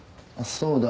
そうだ。